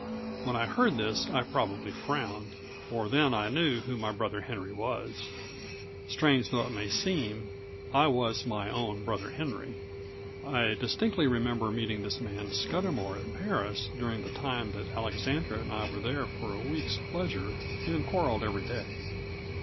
When I heard this I probably frowned; for then I knew who my brother Henry was. Strange though it may seem, I was my own brother Henry. I distinctly remembered meeting this man Scudamour at Paris during the time that Alexander and I were there for a week's pleasure, and quarrelled every day.